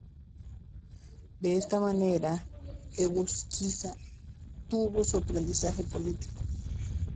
De esta manera Egusquiza tuvo su aprendizaje político.